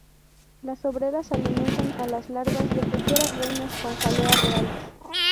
Las obreras alimentan a las larvas de futuras reinas con jalea real.